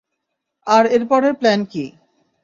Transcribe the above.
আর এরপরের প্ল্যান কী?